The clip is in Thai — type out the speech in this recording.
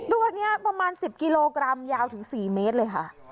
ตัวนี้ประมาณ๑๐กิโลกรัมยาวถึง๔เมตรเลยค่ะ